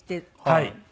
はい。